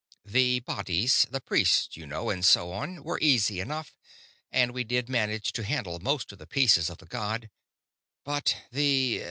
"The bodies the priests, you know, and so on were easy enough; and we did manage to handle most of the pieces of the god. But the